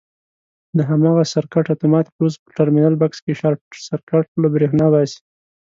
د هماغه سرکټ اتومات فیوز په ټرمینل بکس کې شارټ سرکټ له برېښنا باسي.